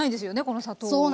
この砂糖は。